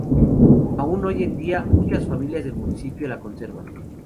Aún hoy en día, muchas familias del municipio la conservan.